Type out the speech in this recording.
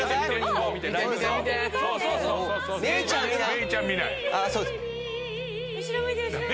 メイちゃん見ない！